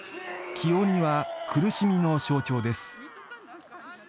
黄鬼は苦しみの象徴です。